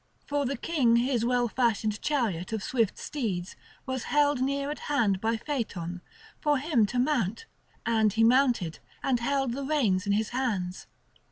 For the king his well fashioned chariot of swift steeds was held near at hand by Phaethon, for him to mount; and he mounted, and held the reins in his hands.